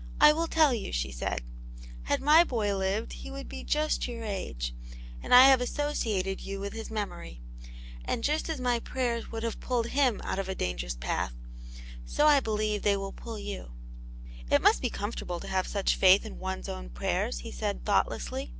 " I will tell you," she said. " Had my boy lived he would be just your age, and I have associated you with his memory. And just as my prayers would have pulled him out of a dangerous path, so I believe they will pull you." *' It must be comfortable to have such faith in one*s own prayers," he said, thoughtlessly.